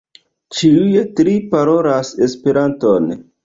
Ĉiuj tri parolas Esperanton.